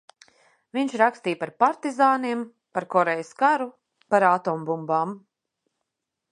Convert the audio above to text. Viņš rakstīja par partizāniem, par Korejas karu, par atombumbām.